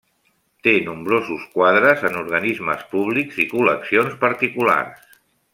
Té nombrosos quadres en organismes públics i col·leccions particulars.